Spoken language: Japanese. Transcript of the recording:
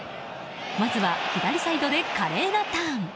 まずは左サイドで華麗なターン！